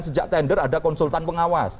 sejak tender ada konsultan pengawas